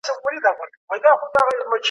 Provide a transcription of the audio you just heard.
سیاستپوهنه زموږ د ژوند برخه ده.